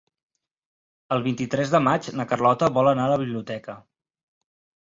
El vint-i-tres de maig na Carlota vol anar a la biblioteca.